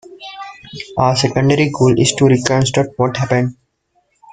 Our secondary goal is to reconstruct what happened.